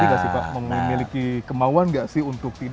memiliki kemauan gak sih untuk ini